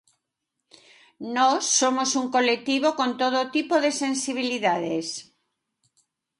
Nós somos un colectivo con todo tipo de sensibilidades.